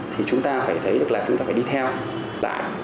thì chúng ta phải thấy được là chúng ta phải đi theo lại